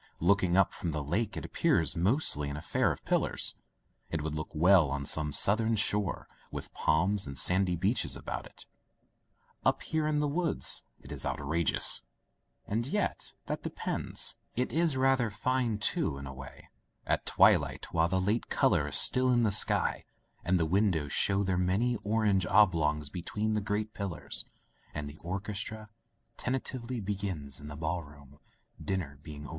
Looking up from the Lake, it appears mostly an affair of pillars. It would look well on some Southern shore, with palms and sandy beaches about it. Up here in the woods it is outrageous— and yet, that depends. It is rather fine, too, in a way, at twilight, while the late color is still in the sky, and the win dows show their many orange oblongs be tween the great pillars, and the orchestra tentatively begins in the ballroom, dinner being over.